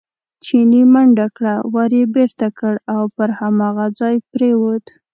چیني منډه کړه، ور یې بېرته کړ او پر هماغه ځای پرېوت.